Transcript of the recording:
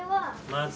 まず？